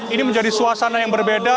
ini menjadi suasana yang berbeda